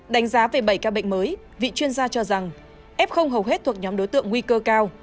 đánh giá về bảy ca bệnh mới vị chuyên gia cho rằng f hầu hết thuộc nhóm đối tượng nguy cơ cao